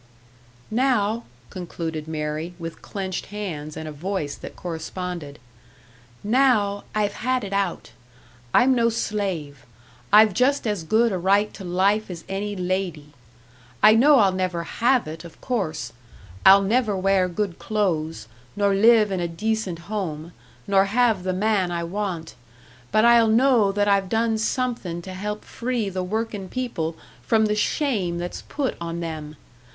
"Now," concluded Mary, with clenched hands, and a voice that corresponded, "now, I've had it out. I'm no slave; I've just as good a right to life as any lady. I know I'll never have it, of course; I'll never wear good clothes, nor live in a decent home, nor have the man I want; but I'll know that I've done somethin' to help free the workin' people from the shame that's put on them.